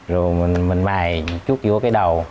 rồi mình mài chút vô cái đầu